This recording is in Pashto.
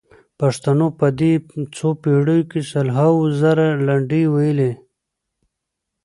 پښتنو په دې څو پېړیو کې سلهاوو زره لنډۍ ویلي.